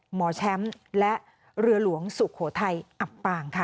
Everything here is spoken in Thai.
หมอแชมป์และเรือหลวงสุโขทัยอับปางค่ะ